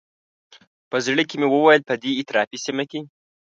په زړه کې مې وویل په دې اطرافي سیمه کې.